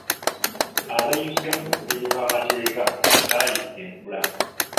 Abayigga mu bumenyi bw'amateeka baayigga enkula.